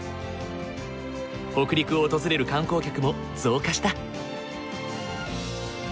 北陸を訪れる観光客も増加した。